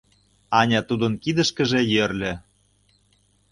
Аня тудын кидышкыже йӧрльӧ.